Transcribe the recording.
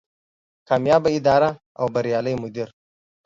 کاميابه اداره او بريالی مدير